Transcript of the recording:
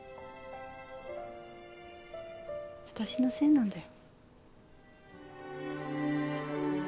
私のせいなんだよ。